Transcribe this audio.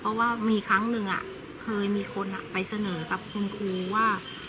เพราะว่ามีครั้งหนึ่งเคยมีคนไปเสนอกับคุณครูว่า